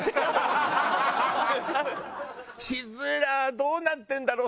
どうなってるんだろう？